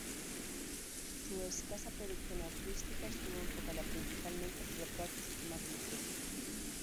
Su escasa producción artística estuvo enfocada principalmente en retratos y temas religiosos.